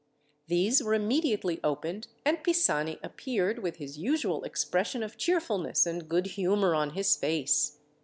These were immediately opened, and Pisani appeared, with his usual expression of cheerfulness and good humour on his face.